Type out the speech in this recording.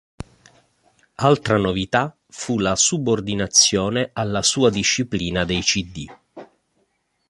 Altra novità fu la subordinazione alla sua disciplina dei cd.